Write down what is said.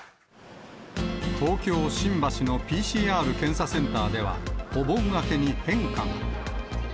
東京・新橋のＰＣＲ検査センターでは、お盆明けに変化が。